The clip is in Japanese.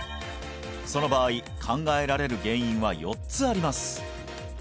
その場合考えられる原因は４つあります